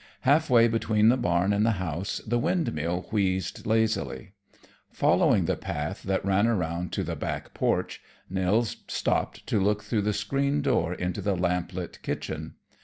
Half way between the barn and the house, the windmill wheezed lazily. Following the path that ran around to the back porch, Nils stopped to look through the screen door into the lamp lit kitchen.